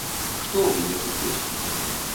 Што ў мяне тут ёсць?